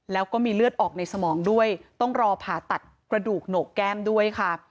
แล้วก็มีเลือดออกในสมองด้วยต้องรอผ่าตัดกระดูกโหนกแก้มด้วยค่ะ